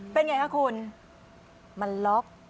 เป็นไงคะคุณมันล็อก